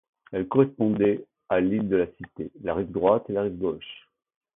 Elles correspondaient à l'île de la Cité, la rive droite et la rive gauche.